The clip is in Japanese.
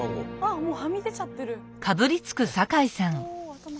もうはみ出ちゃってる。